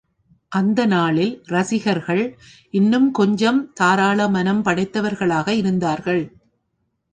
அந்த நாளில் ரசிகர்கள் இன்னும் கொஞ்சம் தாராள மனம் படைத்தவர்களாக இருந்தார்கள்.